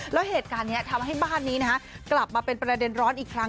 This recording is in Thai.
แล้วเหตุการณ์นี้ทำให้บ้านนี้กลับมาเป็นประเด็นร้อนอีกครั้ง